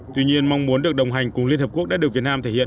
tuy nhiên mong muốn được đồng hành cùng liên hợp quốc đã được việt nam thể hiện